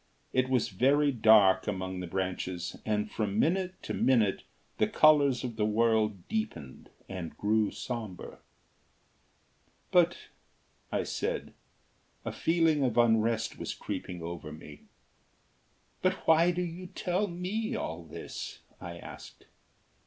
It was very dark among the branches, and from minute to minute the colours of the world deepened and grew sombre. "But " I said. A feeling of unrest was creeping over me. "But why do you tell me all this?" I asked.